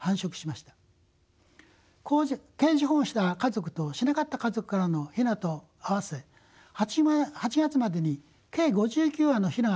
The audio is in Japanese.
ケージ保護した家族としなかった家族からの雛と合わせ８月までに計５９羽の雛が山で育ちました。